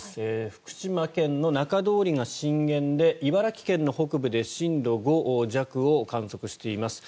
福島県の中通りが震源で茨城県の北部で震度５弱を観測しています。